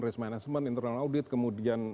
risk management internal audit kemudian